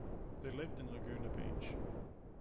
They lived in Laguna Beach.